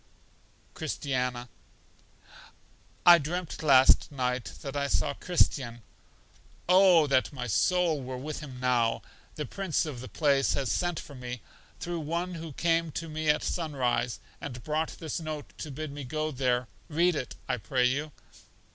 Christiana: I dreamt last night that I saw Christian. Oh, that my soul were with him now! The Prince of the place has sent for me, through one who came to me at sun rise, and brought this note to bid me go there; read it, I pray you.